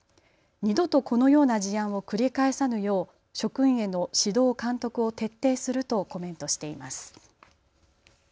二度とこのような事案を繰り返さぬよう職員への指導監督を徹底するとコメントしています。